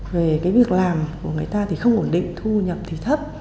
về cái việc làm của người ta thì không ổn định thu nhập thì thấp